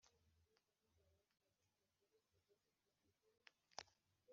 myanda iyo ari yo yose yaba ibora cyangwa